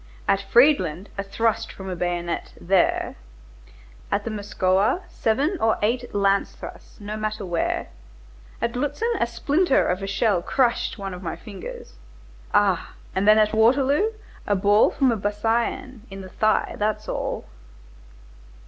At Friedland, a thrust from a bayonet, there,—at the Moskowa seven or eight lance thrusts, no matter where, at Lutzen a splinter of a shell crushed one of my fingers. Ah! and then at Waterloo, a ball from a biscaïen in the thigh, that's all."